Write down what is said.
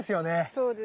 そうですね。